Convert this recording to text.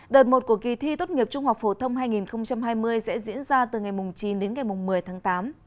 đợt một của kỳ thi tốt nghiệp trung học phổ thông hai nghìn hai mươi sẽ diễn ra từ ngày chín đến ngày một mươi tháng tám